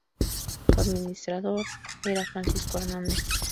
Su administrador era Francisco Hernández.